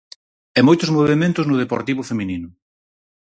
E moitos movementos no Deportivo feminino.